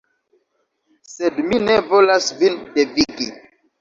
Sed mi ne volas vin devigi.